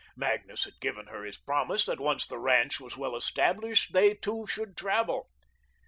Magnus had given her his promise that once the ranch was well established, they two should travel.